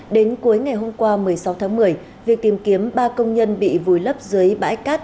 đến cuối ngày hôm qua một mươi sáu tháng một mươi việc tìm kiếm ba công nhân bị vùi lấp dưới bãi cát